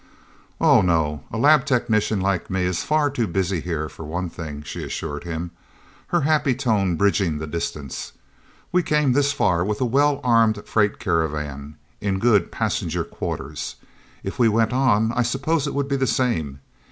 "Oh, no a lab technician like me is far too busy here, for one thing," she assured him, her happy tone bridging the distance. "We came this far with a well armed freight caravan, in good passenger quarters. If we went on, I suppose it would be the same...